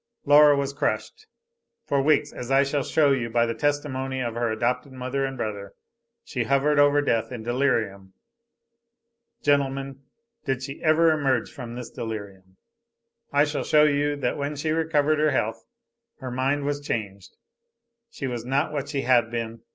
Laura was crushed. For weeks, as I shall show you by the testimony of her adopted mother and brother, she hovered over death in delirium. Gentlemen, did she ever emerge from this delirium? I shall show you that when she recovered her health, her mind was changed, she was not what she had been.